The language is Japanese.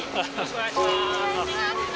お願いします！